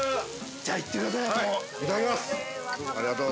◆じゃあいってくださいよ、もう。